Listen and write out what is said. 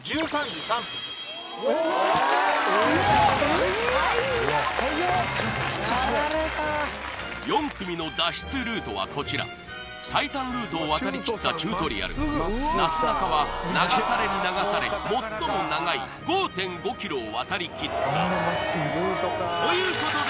・めちゃくちゃはやいやられた４組の脱出ルートはこちら最短ルートを渡りきったチュートリアルなすなかは流されに流され最も長い５．５ｋｍを渡りきったということで